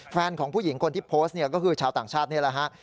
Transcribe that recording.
แฟนของผู้หญิงคนที่โพสต์เนี่ยก็คือชาวต่างชาตินี่แหละฮะ